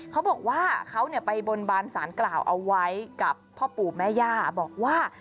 เขาบอกว่าเขาไปบนบานสารกล่าวเอาไว้กับพ่อปู่แม่ย่าบอกว่า